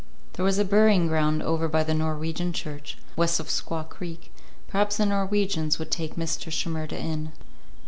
There was a burying ground over by the Norwegian church, west of Squaw Creek; perhaps the Norwegians would take Mr. Shimerda in.